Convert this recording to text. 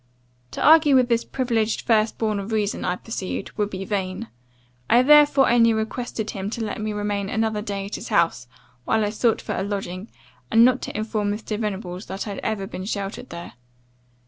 "To argue with this privileged first born of reason, I perceived, would be vain. I therefore only requested him to let me remain another day at his house, while I sought for a lodging; and not to inform Mr. Venables that I had ever been sheltered there.